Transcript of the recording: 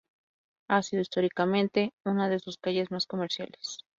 Ha sido históricamente una de sus calles más comerciales.